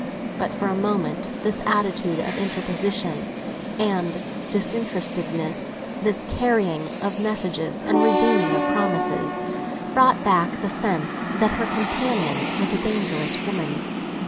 But for a moment this attitude of interposition and disinterestedness, this carrying of messages and redeeming of promises, brought back the sense that her companion was a dangerous woman.